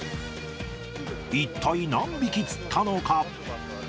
一体何匹釣ったのか。